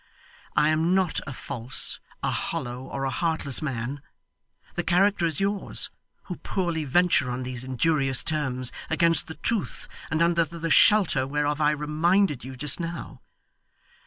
I am not a false, a hollow, or a heartless man; the character is yours, who poorly venture on these injurious terms, against the truth, and under the shelter whereof I reminded you just now.